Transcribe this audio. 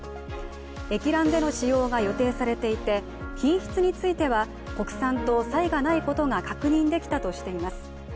液卵での使用が予定されていて、品質については国産と差異が無いことが確認できたとしています。